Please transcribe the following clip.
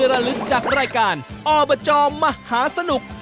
ระลึกจากรายการอบจมหาสนุก